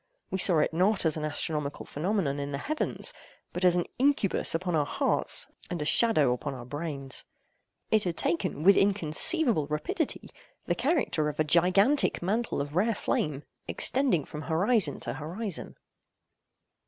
We saw it not as an astronomical phenomenon in the heavens, but as an incubus upon our hearts, and a shadow upon our brains. It had taken, with inconceivable rapidity, the character of a gigantic mantle of rare flame, extending from horizon to horizon.